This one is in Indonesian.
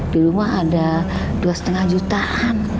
di rumah ada dua lima jutaan